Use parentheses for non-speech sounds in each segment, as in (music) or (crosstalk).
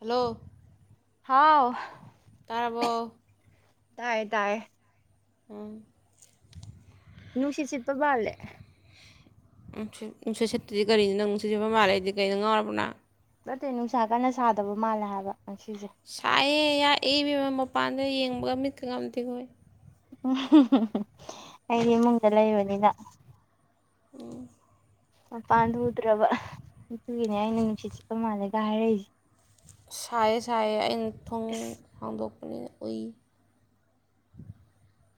hello ꯍꯥꯎ ꯇꯥꯔꯕꯣ ꯇꯥꯏ ꯇꯥꯏꯌꯦ ꯎꯝ ꯨꯁꯤꯁꯤꯄ ꯄꯥꯂꯦ ꯅꯨꯡꯁꯣꯏꯠ ꯁꯦꯠꯇꯗꯤ ꯀꯔꯤꯅꯤꯣ ꯅꯪ ꯅꯨꯡꯠ ꯁꯠꯄ ꯃꯥꯜꯂꯦꯗꯤ ꯀꯔꯤꯩꯅꯣ ꯉꯥꯎꯔꯕꯅꯣ ꯅꯠꯇꯦ ꯅꯨꯡꯁꯥ ꯀꯟꯅ ꯁꯥꯗꯕ ꯃꯥꯜꯂꯦ ꯍꯥꯏꯕ ꯉꯁꯤꯁꯦ ꯁꯥꯏꯑꯦ ꯌꯥ ꯏꯕꯃ ꯃꯄꯥꯟꯗ ꯌꯦꯡꯕꯒ ꯃꯤꯠꯀꯀ ꯊꯤꯈꯣꯏ ꯎꯝ ꯑꯩꯗꯤ ꯏꯃꯨꯡꯗ ꯂꯩꯕꯅꯤꯅ ꯃꯄꯥꯟ ꯊꯣꯛ ꯎꯗ꯭ꯔꯕ ꯑꯗꯨꯒꯤꯅꯦ ꯑꯩꯅ ꯅꯨꯡꯁꯤꯠ ꯆꯤꯠꯄ ꯃꯥꯜꯂꯦꯒ ꯍꯥꯏꯔꯛꯏꯁꯦ ꯁꯥꯏꯌꯦ ꯁꯥꯏꯌꯦ ꯑꯩꯅ ꯊꯨꯝ ꯑꯁ ꯍꯥꯡꯗꯣꯛꯄꯅꯤꯅ ꯎꯏ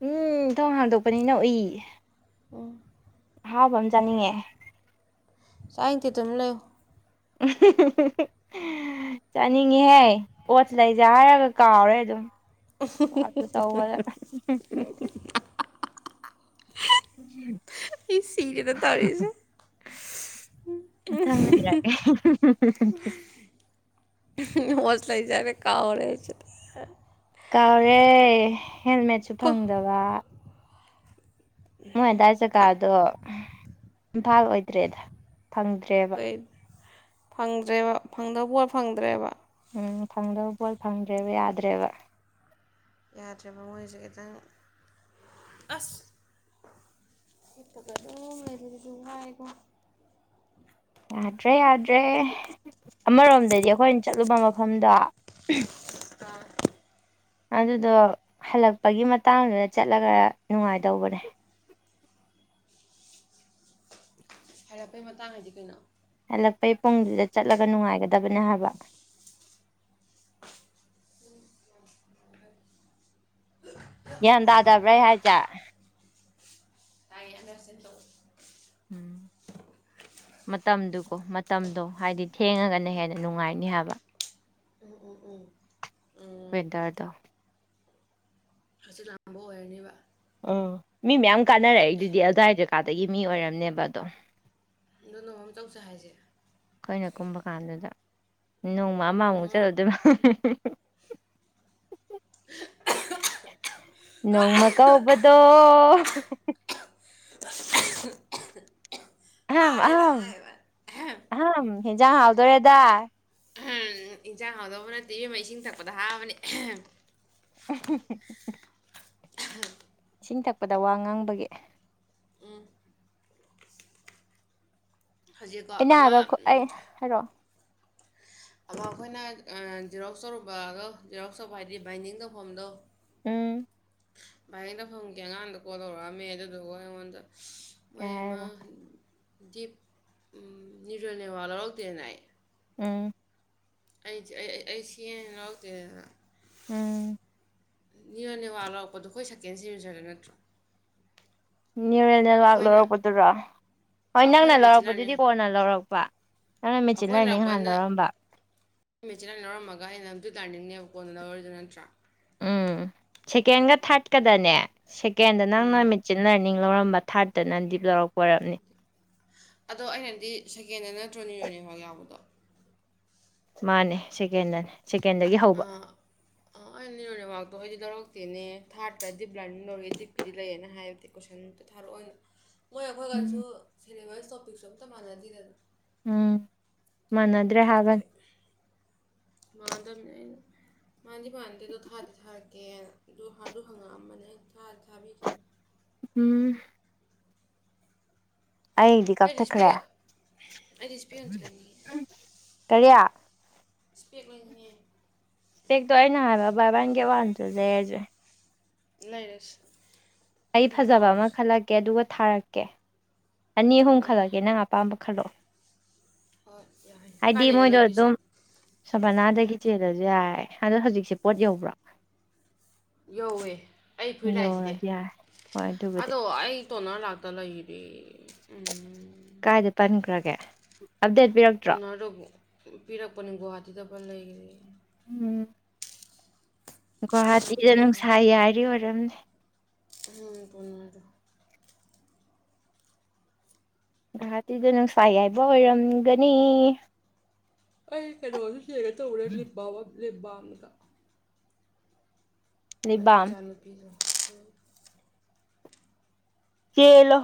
ꯎꯝ ꯊꯣꯡ ꯍꯥꯡꯗꯣꯛꯄꯅꯤꯅ ꯎꯏ ꯎꯝ ꯑꯍꯥꯎꯕ ꯑꯃ ꯆꯥꯅꯤꯡꯉꯦ ꯁꯗꯤ ꯑꯗꯨꯝ ꯂꯩꯎ ꯎ (unintelligible) ꯆꯥꯅꯤꯡꯉꯤꯍꯦ ꯑꯣꯠ ꯂꯩꯁꯦ ꯍꯥꯏꯔꯒ ꯀꯥꯎꯔꯦ ꯑꯗꯨꯝ ꯁꯨ ꯇꯧ ꯍꯥꯏ ꯁꯤꯔꯦꯗ ꯇꯥꯔꯁꯦ ꯃꯊꯪ ꯌꯥꯔꯦ ꯂꯩꯖꯔꯦ ꯀꯥꯥꯎꯔꯦ ꯆ ꯀꯥꯎꯔꯦ ꯍꯦꯜꯃꯦꯠꯁꯨ ꯀꯣ ꯐꯪꯗꯕ ꯃꯣꯏ ꯑꯗꯨꯗꯥꯏ ꯐꯪ ꯖꯒꯥꯗꯣ ꯏꯝꯐꯥꯜ ꯑꯣꯏꯗ꯭ꯔꯦꯗ ꯐꯪꯗ꯭ꯔꯦꯕ ꯀꯩ ꯐꯪꯗ꯭ꯔꯦꯕ ꯐꯪꯗꯕ ꯐꯪꯗ꯭ꯔꯦꯕ ꯎꯝ ꯐꯪꯗꯕ ꯄꯣꯠ ꯐꯪꯗ꯭ꯔꯦꯕ ꯌꯥꯗ꯭ꯔꯦꯕ ꯌꯥꯗ꯭ꯔꯕ ꯃꯣꯏꯁꯦ ꯈꯤꯇꯪ ꯑꯁ ꯍꯤꯞꯄꯒꯥ ꯑꯗꯨꯝ ꯂꯩꯕꯥꯖꯦꯖꯨ ꯋꯥꯏꯗ ꯌꯥꯗ꯭ꯔꯦ ꯌꯥꯗ꯭ꯔꯦ ꯑꯃꯔꯣꯝꯗꯗꯤ ꯑꯩꯈꯣꯏꯅ ꯆꯠꯂꯨꯕ ꯃꯐꯝꯗꯣ ꯀꯥ ꯑꯗꯨꯗꯣ ꯍꯜꯂꯛꯄꯒꯤ ꯃꯇꯥꯡꯗꯨꯗ ꯆꯠꯂꯒ ꯅꯨꯡꯉꯥꯏꯗꯧꯕꯅꯦ ꯍꯥꯏꯔꯛꯄꯩ ꯃꯇꯥꯡ ꯍꯥꯏꯗꯤ ꯀꯩꯅꯣ ꯍꯜꯂꯛꯄꯩ ꯄꯨꯡꯗꯨꯗ ꯆꯠꯂꯒ ꯅꯨꯡꯉꯥꯏꯒꯗꯕꯅꯦ ꯍꯥꯏꯕ (unintelligible) ꯒ꯭ꯌꯥꯟ ꯇꯥꯗꯕ꯭ꯔꯥ ꯍꯥꯏꯁꯦ ꯇꯥꯏꯌꯦ ꯑꯅꯁꯤ ꯇꯧ ꯎꯝ ꯃꯇꯝꯗꯨꯀꯣ ꯃꯇꯝꯗꯣ ꯍꯥꯏꯗꯤ ꯊꯦꯡꯉꯒꯅ ꯍꯦꯟꯅ ꯅꯨꯡꯉꯥꯏꯅꯤ ꯍꯥꯏꯕ ꯎꯝ ꯎꯝ ꯎꯝ ꯋꯤꯟꯗꯔꯗ ꯑꯁꯤ ꯂꯥꯡꯝꯕ ꯑꯣꯏꯔꯅꯦꯕ ꯑꯣ ꯃꯤ ꯃꯌꯥꯝ ꯀꯥꯟꯅꯔꯛꯑꯏꯗꯨꯗꯤ ꯑꯜꯗꯥ ꯍꯗꯀꯥꯗꯒꯤ ꯃꯤ ꯑꯣꯏꯔꯝꯅꯦꯕ ꯑꯗꯣ ꯅ ꯅꯣꯡꯃꯝ ꯇꯧꯁꯦ ꯍꯥꯏꯁꯦ ꯑꯩꯈꯣꯏꯅ ꯀꯨꯝꯕ ꯀꯥꯟꯗꯨꯗ ꯅꯣꯡꯃ ꯑꯗꯣ ꯑꯃꯃꯨꯛ ꯑꯃ ꯆꯠꯂꯨꯗꯣꯏꯕ ꯅꯣꯡꯃ ꯀꯧꯕꯗꯣ ꯑꯝ ꯍꯥꯔꯦꯗ ꯑꯍꯝ ꯍꯥꯏꯕ ꯑꯝ ꯍꯦꯟꯖꯥꯡ ꯍꯥꯎꯗꯣꯔꯦꯗ ꯏꯟꯁꯥꯡ ꯍꯥꯎꯗꯧꯕ ꯅꯠꯇꯦ ꯌ ꯃꯩ ꯏꯁꯤꯡ ꯊꯛꯄꯗ ꯍꯥꯞꯕꯅꯦ (unintelligible) ꯏꯁꯤꯡ ꯊꯛꯄꯗ ꯋꯥ ꯉꯥꯡꯕꯒꯤ ꯍꯧꯖꯤꯛꯀꯣ ꯑꯩꯅ ꯑꯃ ꯍꯥꯏꯕ ꯑꯩ ꯍꯥꯏꯔꯛꯑꯣ ꯑꯗꯣ ꯑꯩꯈꯣꯏꯅ ꯖꯔꯣꯛ ꯆꯧꯔꯨꯕꯗꯣ ꯖꯤꯔꯣꯛ ꯆꯕ ꯍꯥꯏꯕꯗꯤ ꯕꯥꯏꯟꯗꯤꯡ ꯇꯧꯐꯝꯗꯣ ꯎꯝ ꯚꯥꯏ ꯑꯗ ꯐꯪꯒꯦ ꯑꯉꯥꯡꯗ ꯀꯣꯜ ꯇꯧꯔꯛꯑꯝꯃꯦ ꯑꯗꯨꯗꯨꯒ ꯑꯩꯉꯣꯟꯗ ꯀꯩ ꯃꯌꯦ ꯑꯃ ꯍꯥꯏꯔꯕ ꯗꯤꯞ ꯅꯤꯔꯅꯦꯋꯥ ꯂꯧꯔꯛꯇꯦꯅ ꯑꯩ ꯎꯝ ꯑꯩꯗꯤ ꯑꯩ ꯑꯩ ꯁꯤ ꯂꯧꯗꯦꯗꯅ ꯎꯝ ꯔꯣ ꯅꯅꯤꯋꯥ ꯂꯧꯔꯛꯄꯗꯣ ꯑꯩꯈꯣꯏ ꯁꯦꯀꯦꯟ ꯁꯤꯖꯔꯦ ꯅꯠꯇ꯭ꯔꯣ ꯅ꯭ꯌꯨꯔꯦꯜꯅꯦꯜꯋꯥꯛ ꯑꯩꯈꯣꯏꯅ ꯂꯧꯔꯛꯄꯗꯨꯔꯣ ꯍꯣꯏ ꯅꯪꯅ ꯑꯩꯈꯣꯏꯅ ꯃꯦꯆꯤꯟ ꯂꯧꯔꯛꯄꯗꯨꯗꯤ ꯂꯥꯔꯅꯤꯡ ꯀꯣꯟꯅ ꯂꯧꯔꯛꯄ ꯅꯅ ꯃꯦꯆꯤꯟ ꯂꯩꯔꯅꯤ ꯍꯥꯟꯅ ꯂꯧꯔꯝꯕ ꯃꯦꯆꯤꯟꯅꯥ ꯂꯧꯔꯝꯃꯒ ꯑꯩꯅ ꯑꯝꯇꯨ ꯇꯥꯔꯅꯤꯡꯅꯦꯕ ꯀꯣꯟꯅ ꯂꯧꯔꯔꯤꯗꯨꯣ ꯅꯠꯇ꯭ꯔꯥ ꯎꯝ ꯁꯦꯀꯦꯟꯒ ꯊꯥꯔꯠꯀꯗꯅꯦ ꯁꯦꯀꯦꯟꯗ ꯅꯪꯅ ꯑꯥ ꯃꯤꯠꯆꯤ ꯂꯔꯅꯤꯡ ꯂꯧꯔꯝꯕ ꯊꯥꯔꯠꯇ ꯅꯪ ꯗꯤꯞ ꯂꯧꯔꯛꯄ ꯋꯥꯔꯞꯅꯤ ꯑꯗꯣ ꯑꯩꯅꯗꯤ ꯁꯦꯀꯦꯟꯗ ꯅꯠꯇ꯭ꯔꯣ ꯅ꯭ꯌꯨꯔꯣ ꯅꯦꯠꯋꯥꯛ ꯌꯥꯎꯕꯗꯣ ꯃꯥꯅꯦ ꯁꯦꯀꯦꯟꯗꯅꯦ ꯁꯦꯀꯦꯟꯗꯒꯤ ꯍꯧꯕ ꯑꯥ ꯑ ꯅꯤꯔꯣꯅꯦꯋꯥꯛꯇꯣ ꯑꯩꯗꯤ ꯇꯧꯔꯛꯇꯦꯅꯦ ꯊꯥꯔꯠꯇ꯭ꯔ ꯗꯤꯞ ꯂꯥꯔꯅꯤꯡ ꯂꯧꯔꯦ ꯗꯤꯞꯀꯤꯤꯗꯤ ꯂꯩꯌꯦꯦꯅ ꯍꯥꯏꯕꯗꯤ ꯀꯣꯏꯁꯟꯗꯨ ꯊꯥꯔꯛꯑꯣꯏ ꯎꯝ ꯈꯦꯂꯚ ꯇꯄꯤꯛꯁꯨꯝꯇ ꯃꯥꯥꯟꯅꯗꯤꯅꯅ ꯎꯝ ꯃꯅꯤꯗ꯭ꯔꯦ ꯍꯥꯏꯅꯤ ꯃꯥꯗꯝ ꯃꯥꯗꯤ ꯃꯥꯟꯗꯦ ꯑꯗꯨꯣ ꯊꯥꯗꯤ ꯊꯥꯔꯀꯦ ꯑꯗꯨ ꯍꯥꯟꯗ ꯍꯪꯉꯛꯑꯝꯕꯅꯦ ꯊꯥꯗ ꯊꯥꯕꯤꯈꯤꯕ ꯎꯝ ꯑꯩꯗꯤ ꯀꯛꯊꯈ꯭ꯔꯦ ꯑꯩꯗꯤ ꯏꯁꯄꯦꯛ ꯑꯩꯗꯤ ꯏꯁꯄꯦꯛ ꯑꯝꯇ ꯂꯩꯅꯤꯡꯉꯦ ꯀꯔꯤ ꯏꯁꯄꯦꯛ ꯂꯩꯅꯤꯡꯉꯦ ꯇꯏ ꯍꯔꯕꯥꯕꯥꯅꯤ ꯀꯦ ꯋꯥꯅꯤꯁꯤ ꯂꯩꯦꯖꯦ ꯂꯩꯔꯁꯨ ꯑꯩ ꯐꯖꯕ ꯑꯃ ꯈꯜꯂꯛꯀꯦ ꯑꯗꯨꯒ ꯊꯥꯔꯛꯀꯦ ꯑꯅꯤ ꯑꯍꯨꯝ ꯊꯥꯔꯛꯑꯣ ꯈꯜꯂꯛꯀꯦ ꯅꯪ ꯑꯄꯥꯝꯕ ꯈꯜꯂꯣ ꯍꯣꯏ ꯌꯥꯏ ꯍꯥꯏꯗꯤ ꯀꯥꯏꯗꯩꯅꯣ ꯃꯣꯏꯗꯣ ꯂꯩꯗꯣꯏꯁꯦ ꯑꯗꯨꯝ ꯁꯕꯅꯥꯗꯒꯤ ꯆꯦꯜꯗꯁꯨ ꯌꯥꯏ ꯑꯗꯣ ꯍꯧꯖꯤꯛꯁꯦ ꯄꯣꯠ ꯌꯧꯕ꯭ꯔꯥ ꯌꯧꯋꯦ ꯑꯩ ꯐꯨꯔꯤꯠ ꯂꯥꯛꯏꯁꯤꯗꯤ ꯌꯥꯔꯦ ꯍꯣꯏ ꯑꯗꯨꯕꯨꯗꯤ ꯑꯗꯣ ꯑꯩ ꯇꯣꯅꯔ ꯂꯥꯛꯇ ꯂꯩꯔꯦ ꯎꯝ ꯀꯥꯏꯗ ꯄꯟꯈ꯭ꯔꯒꯦ ꯑꯞꯗꯦꯠ ꯄꯤꯔꯛꯇ꯭ꯔꯣ ꯄꯤꯔꯛꯄꯅꯤ ꯒꯨꯍꯥꯇꯤꯗ ꯄꯜ ꯂꯩꯈ꯭ꯔꯦ ꯎꯝ ꯒꯨꯍꯥꯇꯤꯗ ꯀꯃꯥꯏꯅ ꯇꯧꯗꯣꯏꯅꯣ ꯅꯨꯡꯁꯥ ꯌꯥꯏꯔꯤ ꯑꯣꯏꯔꯝꯅꯤ ꯎꯝ ꯒꯨꯋꯥꯍꯥꯇꯤꯗ ꯅꯨꯡꯁꯥꯏ ꯌꯥꯏꯕ ꯑꯣꯏꯔꯝꯒꯅꯤ ꯑꯩ ꯀꯩꯅꯣꯁꯨ ꯆꯔꯦ ꯇꯧꯔꯦ ꯂꯤꯞ ꯑꯃꯒ ꯑꯩ ꯂꯩꯕꯥꯝ ꯏꯆꯥ ꯅꯨꯨꯄꯤꯁꯨ ꯆꯦꯜꯂꯣ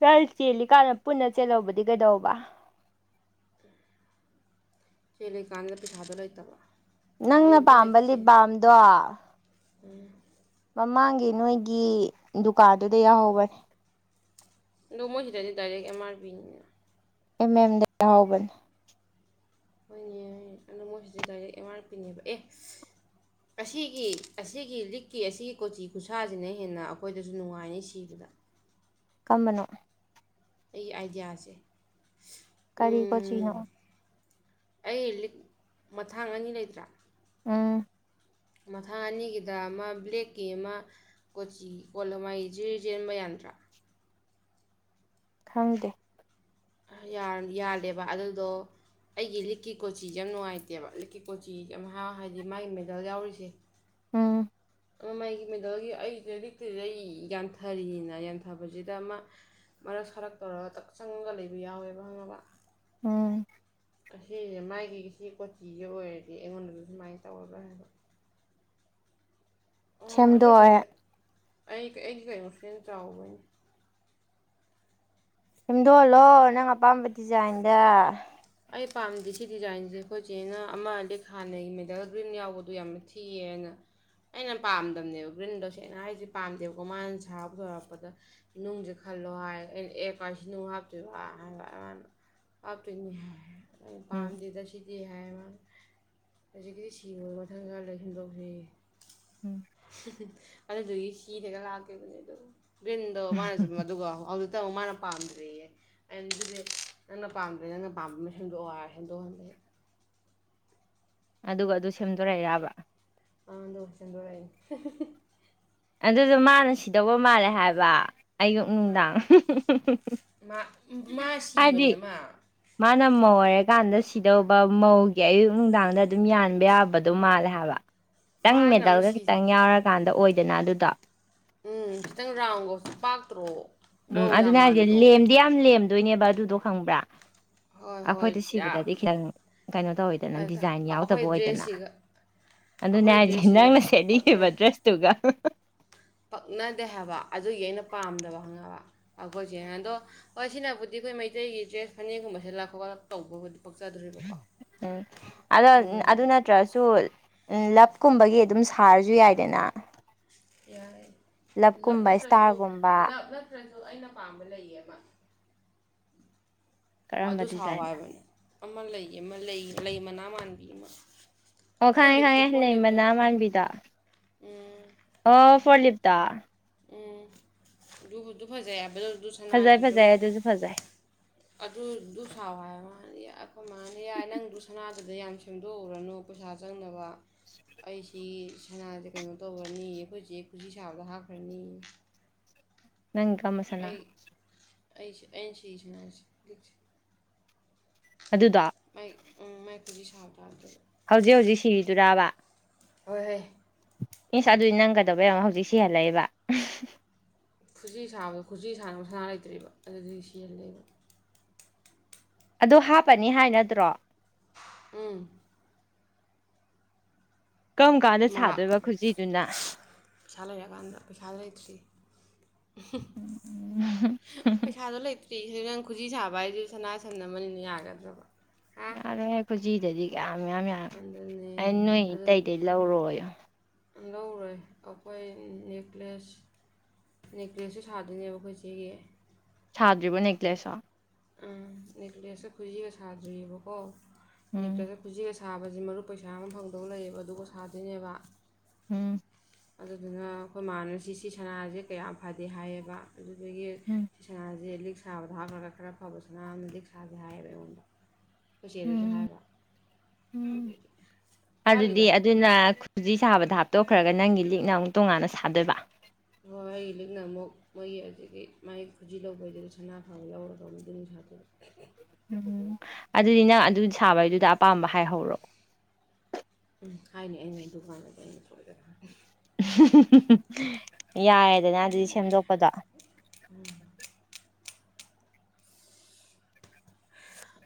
ꯈꯔ ꯆꯦꯜꯂꯤꯀꯥꯟꯅ ꯄꯨꯟꯅ ꯆꯦꯜꯍꯧꯕꯗꯤ ꯀꯩꯗꯧꯕ ꯆꯦꯜꯂꯤꯀꯥꯟꯗꯨꯗ ꯄꯩꯊꯥꯗꯣ ꯂꯩꯇꯕ ꯅꯪꯅ ꯂꯩꯕꯨꯗꯤ ꯂꯩ ꯄꯥꯝꯕ ꯆꯦ ꯂꯤꯞꯕꯥꯝꯗꯣ ꯃꯃꯥꯡꯒꯤ ꯅꯣꯏꯒꯤ ꯗꯨꯀꯥꯟꯗꯨꯗ ꯌꯥꯎꯍꯧꯕꯅꯦ ꯑꯗꯨꯗ ꯃꯣꯖ ꯂꯩ ꯗꯥꯔꯦ ꯑꯦꯕꯤꯅ ꯑꯦꯝ ꯑꯦꯝꯗ ꯍꯥꯎꯕꯅꯦ ꯍꯣꯏꯅꯦ ꯑꯗꯣ ꯃꯣꯏꯁꯤꯗꯤ ꯗꯥꯏꯔꯦꯛ ꯑꯦꯝ ꯑꯥꯔ ꯄꯤꯅꯦꯕ ꯑꯦ ꯑꯁꯤꯒꯤ ꯑꯁꯤꯒꯤ ꯂꯤꯛꯀꯤ ꯑꯁꯤꯒꯤ ꯀꯣꯆꯤ ꯈꯨꯠꯁꯥꯁꯤꯅ ꯍꯦꯟꯅ ꯑꯩꯈꯣꯏꯗꯁꯨ ꯅꯨꯡꯉꯥꯏꯅꯤ ꯁꯤꯕꯗ ꯀꯝꯕꯅꯣ ꯑꯩꯒꯤ ꯑꯥꯏꯗꯤꯌꯥꯁꯦ ꯀꯔꯤ ꯀꯣꯆꯤꯅꯣ ꯑꯩ ꯂꯤꯛ ꯃꯊꯥꯡ ꯑꯅꯤ ꯂꯩꯇꯔꯥ ꯑꯥ ꯃꯊꯪ ꯑꯅꯤꯒꯤꯗ ꯑꯃ ꯕ꯭ꯂꯦꯛꯀꯤ ꯑꯃ ꯀꯣꯆꯤ ꯀꯣ ꯃꯒꯤ ꯖꯤꯔꯤ ꯆꯦꯟꯕ ꯌꯥꯗ ꯀ꯭ꯔꯥ ꯈꯪꯗꯦ ꯌꯥꯗꯦꯕ ꯑꯗꯨꯗꯣ ꯑꯩꯒꯤ ꯂꯤꯛꯀꯤ ꯀꯣꯆꯤꯁꯦ ꯌꯥꯝ ꯅꯨꯡꯉꯥꯏꯇꯦꯕ ꯂꯤꯛꯀꯤ ꯀꯣꯆꯤ ꯌꯥꯝ ꯍꯥꯏ ꯍꯥꯏꯗꯤ ꯃꯥꯒꯤ ꯃꯦꯗꯜ ꯌꯥꯎꯔꯤꯁꯦ ꯎꯝ ꯃꯥꯒꯤ ꯃꯦꯗꯜꯒꯤ ꯑꯩ ꯂꯤꯛꯇꯨꯗꯩ ꯌꯥꯟꯊꯔꯤꯑꯅ ꯌꯥꯟꯊꯕꯁꯤꯗ ꯑꯃ ꯃꯔꯛ ꯁꯔꯛ ꯇꯧꯔꯒ ꯆꯪꯉꯒ ꯂꯩꯕ ꯌꯥꯎꯋꯦꯕꯪꯉꯕ ꯎꯝ ꯑꯁꯤꯁꯦ ꯃꯥꯒꯤ ꯁꯤ ꯀꯣꯆꯤꯁꯦ ꯑꯣꯏꯔꯗꯤ ꯑꯩꯉꯣꯟꯗꯁꯨ ꯁꯨꯃꯥꯏꯅ ꯇꯧꯔꯕ꯭ꯔꯥ ꯍꯥꯏꯕ ꯑꯣ ꯑꯗꯨꯕꯨꯗꯤ ꯁꯦꯝꯗꯣꯛ ꯑꯩ ꯑꯩ ꯀꯦꯟ ꯆꯥꯎꯥꯎ ꯅꯤ ꯁꯦꯝꯗꯣꯛꯍꯜꯂꯣ ꯅꯪ ꯑꯄꯥꯝꯕ ꯗꯤꯖꯥꯏꯟꯗ ꯑꯩ ꯄꯥꯝꯗꯦ ꯁꯤ ꯗꯤꯖꯥꯏꯟꯁꯦ ꯑꯩꯈꯣꯏꯁꯦꯅ ꯑꯃ ꯑ ꯂꯤꯛ ꯍꯥꯟꯅꯒꯤ ꯃꯦꯗꯜ ꯒ꯭ꯔꯤꯟ ꯌꯥꯎꯕꯗꯣ ꯌꯥꯝꯅ ꯊꯤꯌꯦꯅ ꯑꯩꯅ ꯄꯥꯝꯗꯕꯅꯦꯕ ꯒ꯭ꯔꯤꯟꯗꯣ ꯁꯦꯡꯅ ꯍꯥꯏꯔꯤꯁꯦ ꯄꯥꯝꯗꯦꯕꯀꯣ ꯃꯥꯅ ꯁꯥꯕ ꯊꯣꯔꯛꯄꯗ ꯅꯨꯡꯁꯦ ꯈꯔ ꯈꯜꯂꯣ ꯍꯥꯏꯩꯅ ꯑꯦ ꯀꯔꯁꯤꯅꯅꯨꯡ ꯍꯥꯞꯇꯣꯏꯕ ꯍꯥꯞꯇꯣꯏꯅꯤ ꯍꯥꯏ ꯎꯝ ꯄꯥꯝꯗꯦꯗꯁꯤ ꯍꯥꯏ ꯑꯃ ꯍꯧꯖꯤꯛꯀꯤꯗꯤ ꯁꯤꯕ ꯃꯊꯪ ꯈꯔ ꯂꯩꯁꯤꯟꯗꯣꯛꯁꯤꯌꯦ ꯎꯝ ꯑꯗꯨꯗꯨꯒꯤ ꯍꯤ ꯍꯦꯛꯒ ꯂꯥꯛꯀꯈꯤꯕꯅꯦ ꯑꯗꯨ ꯒ꯭ꯔꯤꯟꯗꯣ ꯃꯥꯅꯁꯨ ꯑꯗꯨꯒꯗꯨ ꯃꯥꯅ ꯄꯝꯗꯔ꯭ꯦꯌꯦ ꯄꯝꯝꯕ ꯍꯤꯟꯗꯨ ꯍꯤꯟꯗꯨ ꯍ ꯑꯗꯨꯒ ꯑꯗꯨ ꯁꯦꯝꯗꯣꯔꯛ ꯑꯦꯔꯥꯕ ꯑ ꯗꯣꯁ ꯆꯗꯔꯏ ꯑꯗꯨꯗꯣ ꯃꯥꯅ ꯁꯤꯗꯧꯕ ꯃꯥꯜꯂꯦ ꯍꯥꯏꯕ ꯑꯌꯨꯛ ꯅꯨꯡꯗꯥꯡ ꯃꯥ ꯃꯥ ꯑꯗꯤ ꯁꯤꯕꯅꯦ ꯃꯥ ꯃꯥꯅꯃ ꯋꯥꯔ ꯀꯥꯟꯗ ꯁꯤꯗꯧꯕ ꯃꯧꯒꯤ ꯑꯌꯨꯛ ꯅꯨꯡꯗꯥꯡꯗ ꯑꯗꯨꯝ ꯌꯥꯟꯕ ꯌꯥꯕꯗꯣ ꯃꯥꯜꯂꯦ ꯍꯥꯏꯕ ꯈꯤꯇꯪ ꯃꯥꯅ ꯑꯃ ꯃꯦꯗꯜꯒ ꯁꯤꯁꯦ ꯈꯤꯇꯪ ꯌꯥꯎꯔꯀꯥꯟꯗ ꯑꯣꯏꯗꯅ ꯑꯗꯨꯗ ꯎꯝ ꯈꯤꯇꯪ ꯔꯥꯎꯟꯒ ꯄꯥꯛꯇ꯭ꯔꯣ ꯎꯝ ꯃꯧ ꯌꯥꯝ ꯑꯗꯨꯅ ꯍꯥꯏꯁꯦ ꯃꯥꯟꯗ꯭ꯔꯣ ꯂꯦꯝꯗꯤ ꯌꯥꯝ ꯂꯦꯝꯗꯣꯏꯅꯦꯕ ꯑꯗꯨꯗꯣ ꯈꯪꯕ꯭ꯔꯥ ꯍꯣꯏ ꯍꯣꯏ ꯑꯩꯈꯣꯏꯗꯤ ꯌꯥꯝ ꯁꯤꯕꯗꯗꯤ ꯈꯤꯇꯪ ꯀꯩꯅꯣ ꯇꯧꯋꯤꯗꯅ ꯗꯤꯖꯥꯏꯟ ꯌꯥꯎꯗꯕ ꯑꯩꯈꯣꯏ ꯑꯣꯏꯗꯅ ꯗ꯭ꯔꯦꯁꯁꯤꯒ ꯑꯗꯨꯅꯦ ꯑꯩꯈꯣꯏ ꯍꯥꯏꯁꯦ ꯗ꯭ꯔꯦꯁꯁꯤꯒ ꯅꯪꯅ ꯄꯛꯅ ꯁꯦꯠꯅꯤꯡꯉꯦꯕ ꯗ꯭ꯔꯦꯁꯇꯨꯒ ꯄꯛꯅꯗꯦ ꯍꯥꯏꯕ ꯑꯗꯨꯒꯤ ꯑꯩꯅ ꯄꯥꯝꯗꯕ ꯈꯪꯉꯕ ꯑꯩꯈꯣꯏꯁ ꯑꯗꯣ ꯍ ꯁꯤꯅꯕꯨꯗꯤ ꯑꯩꯈꯣꯏ ꯃꯩꯇꯩꯒꯤ ꯗ꯭ꯔꯦꯁ ꯐꯅꯦꯛꯒꯨꯝꯕꯁꯦ ꯂꯥꯛ ꯈꯣꯠꯂ ꯇꯧꯕꯕꯨꯗꯤ ꯄꯛꯆꯗꯣꯔꯤꯕꯀꯣ ꯎꯝ ꯑꯗ ꯑꯗꯣ ꯑꯗꯨ ꯅꯠꯇ꯭ꯔꯁꯨ ꯀꯨꯝꯕꯒꯤ ꯑꯗꯨꯝ ꯁꯥꯔꯁꯨ ꯌꯥꯏꯗꯅ ꯌꯥꯔ ꯂꯞꯀꯨꯝꯕ ꯏꯁꯇꯥꯔꯒꯨꯝꯕ ꯑ ꯑꯩꯅ ꯄꯥꯝꯕ ꯂꯩꯌꯦꯕ ꯀꯔꯝꯕ ꯑꯗꯨ ꯁꯥꯎ ꯗꯤꯖꯥꯏꯟꯗ ꯍꯥꯏꯕꯅꯦ ꯑꯃ ꯂꯩ ꯑꯃ ꯂꯩ ꯂꯩ ꯃꯅꯥ ꯃꯥꯟꯕꯤ ꯑꯃ ꯑꯣ ꯐꯣꯔ ꯈꯪꯉꯦ ꯂꯤꯞꯇꯣ ꯈꯪꯉꯦ ꯐꯣꯔ ꯂꯩ ꯂꯤꯞꯇꯣ ꯃꯅꯥ ꯃꯥꯟꯕꯤꯗ ꯎꯝ ꯑ ꯐꯔꯂꯤꯞꯇ ꯎꯝ ꯑꯗꯨꯗꯨ ꯐꯖꯩ ꯍꯥꯏꯕꯗꯣ ꯑꯗꯨ ꯁꯅꯥꯗꯨ ꯐꯖꯩ ꯑꯗꯨꯝ ꯐꯖꯩ ꯑꯗꯨꯁꯨ ꯐꯖꯩ ꯑꯗꯨꯗꯨ ꯁꯥꯎ ꯍꯥꯏ ꯃꯥꯅꯤ ꯑꯩꯈꯣꯏ ꯃꯥꯅꯤ ꯌꯥꯏ ꯅꯪ ꯁꯅꯥꯗ ꯑꯗ ꯌꯥꯝ ꯁꯦꯝꯗꯣꯛꯎꯔꯅꯨ ꯄꯩꯁꯥ ꯆꯪꯅꯕ ꯑꯩꯁꯤ ꯁꯅꯥꯁꯦ ꯀꯩꯅꯣ ꯇꯧꯈꯅꯤ ꯑꯩꯈꯣꯏꯁꯦ ꯈꯨꯖꯤ ꯁꯥꯕꯗ ꯍꯥꯞꯈ꯭ꯔꯅꯤ ꯅꯪ ꯀꯒꯃꯁꯅ ꯑꯩ ꯑꯩ ꯑꯗꯨꯗ ꯃꯥꯏ ꯎꯝ ꯀꯖꯤ ꯁꯥꯥꯞꯗꯔꯗ ꯍꯧꯖꯤꯛ ꯍꯧꯖꯤꯛ ꯁꯤꯔꯤꯗꯨꯔꯥꯕ ꯑꯣꯏꯍꯣꯏ ꯏꯁꯁ ꯑꯗꯨꯗꯤ ꯅꯪ ꯀꯩꯗꯧꯕꯔꯝꯃꯣ ꯍꯧꯖꯤꯛ ꯁꯤꯍꯜꯂꯛꯦꯕ ꯈꯨꯖꯤ ꯁꯥꯕꯗꯣ ꯈꯨꯖꯤ ꯁꯥꯅꯕ ꯁꯅꯥ ꯂꯩꯇ꯭ꯔꯤꯕ ꯑꯗꯨꯗꯤ ꯁꯤꯖꯤꯟꯅꯂꯦꯕ ꯑꯗꯨ ꯍꯥꯞꯄꯅꯤ ꯍꯥꯏꯅꯗ꯭ꯔꯣ ꯎꯝ ꯀꯔꯝ ꯀꯥꯟꯗ ꯃꯥ ꯁꯥꯗꯣꯏꯔꯤꯕ ꯈꯨꯖꯤꯗꯨꯅ ꯄꯩꯁꯥ ꯂꯩꯔꯀꯥꯟꯗ ꯄꯩꯁꯥꯗꯣ ꯂꯩꯇ꯭ꯔꯤ ꯄꯩꯁꯥꯗꯣ ꯂꯩꯇꯦ ꯀ ꯅꯪ ꯈꯨꯖꯤ ꯁꯥꯕ ꯍꯥꯏꯗꯨ ꯁꯅꯥ ꯁꯟ ꯑꯃꯅꯤꯅ ꯌꯥꯒꯗ꯭ꯔꯕ ꯍꯥ ꯖꯤꯗꯗꯤ ꯀꯌꯥꯝ ꯌꯥꯝ ꯌꯥꯝ ꯑꯩ ꯑꯗꯨꯅꯦ ꯅꯣꯏ ꯑꯇꯩꯗꯒꯤ ꯂꯧꯔꯣꯏ ꯂꯧꯔꯦ ꯑꯩꯈꯣꯏ ꯅꯦꯛꯀ꯭ꯂꯦꯁ ꯅꯦꯛꯀ꯭ꯂꯦꯁꯁꯨ ꯁꯥꯗꯣꯏꯅꯦꯕ ꯑꯩꯈꯣꯏ ꯏꯆꯦꯒꯤ ꯁꯥꯗ꯭ꯔꯤꯕ ꯅꯦꯛꯀ꯭ꯂꯦꯁꯣ ꯎꯝ ꯅꯦꯛꯀꯂꯦꯁꯇ ꯈꯨꯖꯤꯒ ꯁꯥꯗ꯭ꯔꯤꯑꯕꯀꯣ ꯎꯝ ꯅꯦꯛꯀ꯭ꯂꯦꯁꯇ ꯈꯨꯖꯤꯒ ꯁꯥ ꯁꯥꯕꯁꯤ ꯃꯔꯨꯞ ꯄꯩꯁꯥ ꯑꯃ ꯐꯪꯗꯧ ꯂꯩꯌꯦꯕ ꯑꯗꯨꯒ ꯁꯥꯗꯣꯏꯅꯦꯕ ꯎꯝ ꯑꯗꯨꯗꯨꯅ ꯑꯩꯈꯣꯏ ꯃꯃꯥꯟꯅꯁꯤ ꯁꯤ ꯁꯅꯥꯁꯦ ꯀꯌꯥꯝ ꯐꯗꯦ ꯍꯥꯏꯌꯦꯕ ꯑꯗꯨꯗꯒꯤ ꯎꯝ ꯏꯁꯤꯁꯥꯁꯦ ꯂꯤꯛ ꯁꯥꯕꯗ ꯍꯥꯞꯈ꯭ꯔꯒ ꯈꯔ ꯐꯕꯁꯨꯅꯣꯟꯗꯗꯤꯛ ꯁꯥꯥꯁꯦ ꯍꯥꯏꯌꯦꯕ ꯑꯩꯉꯣꯟꯗ ꯀꯩꯆꯦꯗꯁꯨ ꯎꯝ ꯍꯥꯏꯕ ꯎꯝ ꯑꯗꯨꯗꯤ ꯋꯥꯠꯂꯤꯗ ꯑꯗꯨꯅꯖꯤ ꯁꯥꯕꯗ ꯍꯥꯞꯇꯣꯛꯈ꯭ꯔꯒ ꯅꯪꯒꯤ ꯂꯤꯛꯅ ꯑꯃꯨꯛ ꯇꯣꯉꯥꯟꯅ ꯁꯥꯗꯣꯏꯕ ꯍꯣꯏ ꯂꯤꯛꯅ ꯑꯃꯨꯛ ꯃꯣꯏꯒꯤ ꯑꯗꯨꯗꯒꯤ ꯃꯥꯏ ꯈꯨꯖꯤ ꯂꯧꯕꯩꯁꯤꯗ ꯁꯅꯥ ꯐꯕ ꯌꯥꯎꯔꯒ ꯃꯗꯨ ꯅꯤꯡꯅꯨꯡꯁ (inaudible) ꯎꯝ ꯑꯗꯨꯗꯤ ꯅꯪ ꯑꯗꯨ ꯁꯥꯕꯩꯗꯨꯗ ꯑꯄꯥꯝꯕ ꯍꯥꯏꯍꯧꯔꯣ ꯎꯝ ꯍꯥꯏꯅꯤ ꯑ ꯗꯨꯀꯥꯟꯗꯗꯤ ꯑꯩꯅ ꯊꯣꯛꯖꯔꯅꯤ ꯌꯥꯔꯦꯗꯅ ꯑꯗꯨꯗꯤ ꯁꯦꯝꯗꯣꯛꯄꯗꯣ (inaudible)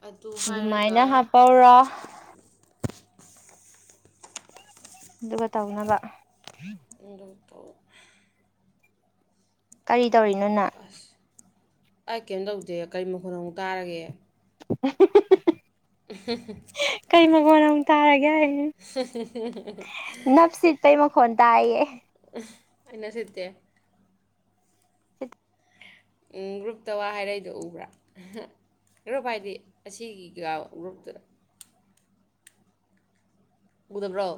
ꯑꯗꯨ ꯍꯥꯏꯔꯒ ꯑꯗꯨꯃꯥꯏꯅ ꯍꯥꯞꯄꯧꯔꯥ ꯑꯗꯨꯒ ꯇꯧꯅꯕ ꯎꯝ ꯀꯔꯤ ꯇꯧꯔꯤꯅꯣ ꯅꯪ ꯑꯁ ꯑꯩ ꯀꯔꯤꯝ ꯇꯧꯗꯦ ꯀꯔꯤ ꯃꯈꯣ ꯑꯃꯨꯛ ꯇꯥꯔꯒꯦ (unintelligible) (unintelligible) ꯃꯅꯝ ꯇꯥꯔꯒꯦ (unintelligible) ꯈꯣꯜꯇꯏꯌꯦ ꯑꯟꯅ ꯁꯦꯠꯇꯦ ꯒ꯭ꯔꯨꯞꯇ ꯋꯥ ꯍꯥꯏꯔꯩꯗꯣ ꯎꯕ꯭ꯔꯥ ꯍꯔꯣ ꯚꯥꯏꯗꯤ ꯑꯁꯤꯒꯤ ꯀ ꯒ꯭ꯔꯨꯞꯇꯨꯗ ꯎꯗꯄꯔ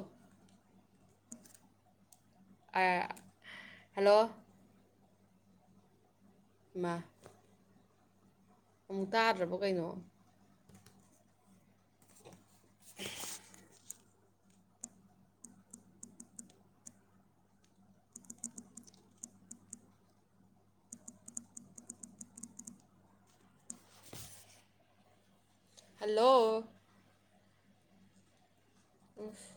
ꯍꯂꯣ (unintelligible) ꯑꯃꯨꯛ ꯇꯥꯗ꯭ꯔꯕ ꯀꯩꯅꯣ ꯍꯂꯣ ꯎꯐ